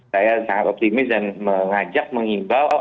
saya sangat optimis dan mengajak mengimbau